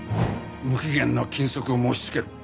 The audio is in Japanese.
無期限の禁足を申しつける。